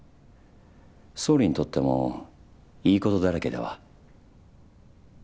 総理にとってもいいことだらけでは？